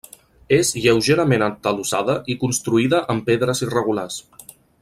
És lleugerament atalussada i construïda amb pedres irregulars.